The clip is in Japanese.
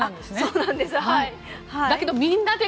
そうなんです。